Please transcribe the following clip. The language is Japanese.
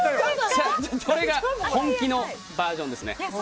これが本気のバージョンですね。